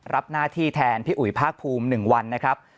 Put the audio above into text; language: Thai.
รับหน้าที่แทนพี่อุ๋ยภาคภูมิ๑วันนะครับ